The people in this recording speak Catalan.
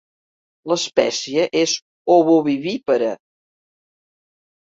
L'espècie és ovovivípara.